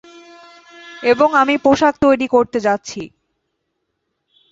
এবং আমি পোশাক তৈরি করতে যাচ্ছি।